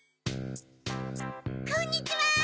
こんにちは！